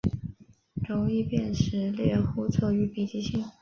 容易辨识猎户座与北极星